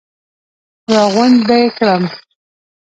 را غونج به یې کړم.